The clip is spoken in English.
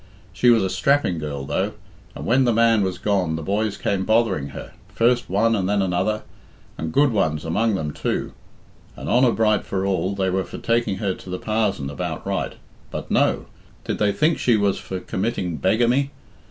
She was a strapping girl, though, and when the man was gone the boys came bothering her, first one and then another, and good ones among them too. And honour bright for all, they were for taking her to the parzon about right But no! Did they think she was for committing beggamy?